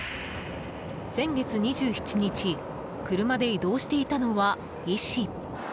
先月２７日車で移動していたのは医師。